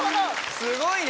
すごいね！